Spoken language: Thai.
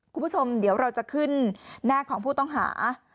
คุณผู้ชมเดี๋ยวเราจะขึ้นหน้าของผู้ต้องหา